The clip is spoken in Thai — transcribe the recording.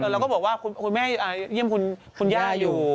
เราก็บอกว่าคุณแม่เยี่ยมคุณย่าอยู่